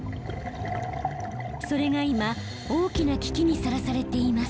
それが今大きな危機にさらされています。